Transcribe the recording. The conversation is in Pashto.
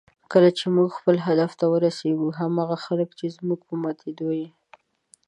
کله چې موږ خپل هدف ته ورسېږو، هماغه خلک چې زموږ په ماتېدو یې